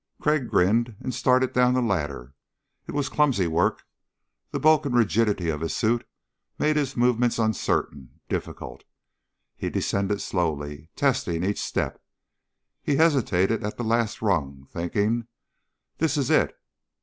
Crag grinned and started down the ladder. It was clumsy work. The bulk and rigidity of his suit made his movements uncertain, difficult. He descended slowly, testing each step. He hesitated at the last rung, thinking: _This is it!